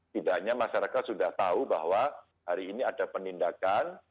tidaknya masyarakat sudah tahu bahwa hari ini ada penindakan